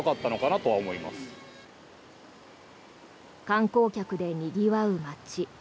観光客でにぎわう街。